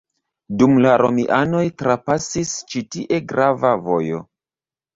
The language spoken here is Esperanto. Dum la romianoj trapasis ĉi tie grava vojo.